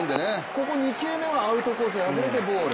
ここ２球目はアウトコースに外れてボール。